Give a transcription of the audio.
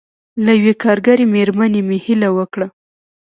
له یوې کارګرې مېرمنې مې هیله وکړه.